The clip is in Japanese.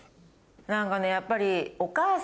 何かねやっぱり。